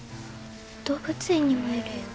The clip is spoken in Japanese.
動物園にもいるよ。